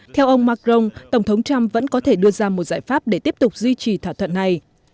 theo ông macron tổng thống trump vẫn có thể đưa ra một giải pháp để tiếp tục duy trì thỏa thuận này